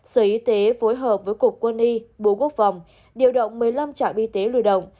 sở y tế phối hợp với cục quân y bộ quốc phòng điều động một mươi năm trạm y tế lưu động